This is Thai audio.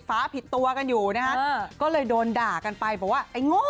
ฟ้าผิดตัวกันอยู่นะฮะก็เลยโดนด่ากันไปบอกว่าไอ้โง่